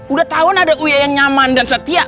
udah tau kan ada uya yang nyaman dan setia